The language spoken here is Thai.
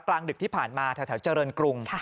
กลางดึกที่ผ่านมาแถวเจริญกรุง